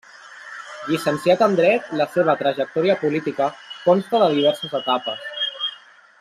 Llicenciat en dret, la seva trajectòria política consta de diverses etapes.